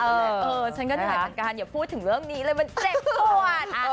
เออฉันก็เหนื่อยเหมือนกันอย่าพูดถึงเรื่องนี้เลยมันเจ็บปวด